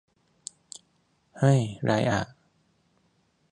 เฮ้ย ไรอะ